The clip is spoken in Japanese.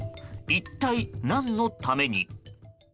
一体何のために？